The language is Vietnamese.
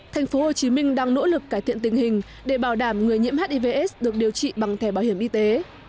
tp hcm đang nỗ lực cải thiện tình hình để bảo đảm người nhiễm hivs được điều trị bằng thẻ bảo hiểm y tế